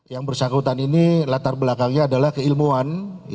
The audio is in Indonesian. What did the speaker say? yang bersangkutan ini latar belakangnya adalah keilmuan